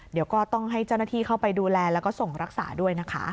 เดี๋ยวก็ต้องให้เจ้าหน้าที่เข้าไปดูแลแล้วก็ส่งรักษาด้วยนะคะ